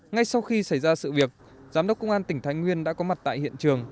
ngay sau khi xảy ra sự việc giám đốc công an tỉnh thái nguyên đã có mặt tại hiện trường